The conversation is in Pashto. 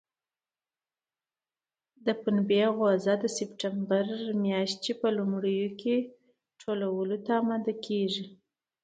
د پنبې غوزه د سپټمبر میاشتې په لومړیو کې ټولولو ته اماده کېږي.